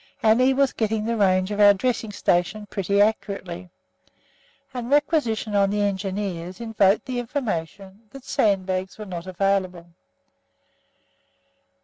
Annie was getting the range of our dressing station pretty accurately, and requisition on the Engineers evoked the information that sandbags were not available.